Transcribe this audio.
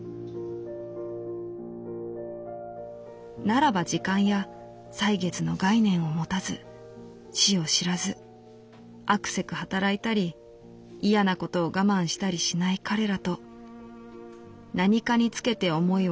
「ならば時間や歳月の概念を持たず死を知らずあくせく働いたり嫌なことを我慢したりしない彼らとなにかにつけて思い